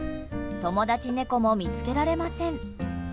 友達猫も見つけられません。